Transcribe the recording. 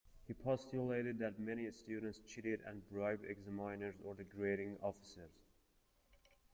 He postulated that many students cheated and bribed examiners or the grading officers.